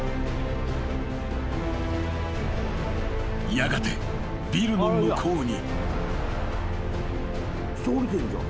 ［やがてビルの向こうに］